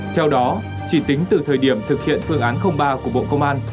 theo đó chỉ tính từ thời điểm thực hiện phương án ba của bộ công an